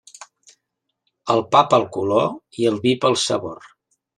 El pa pel color i el vi pel sabor.